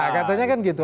katanya kan gitu